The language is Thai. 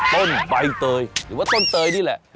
ต้นใบเตยหรือว่าต้นเตยนี่แหละ